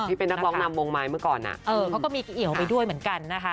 ที่เป็นนักร้องนำวงไม้เมื่อก่อนเขาก็มีเอี่ยวไปด้วยเหมือนกันนะคะ